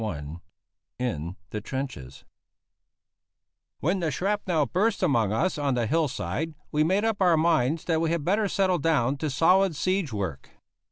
V IN THE TRENCHES When the shrapnel burst among us on the hill side we made up our minds that we had better settle down to solid siege work.